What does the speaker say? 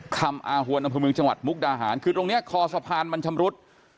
คำอาหวนอำเภอเมืองจังหวัดมุกดาหารคือตรงเนี้ยคอสะพานมันชำรุด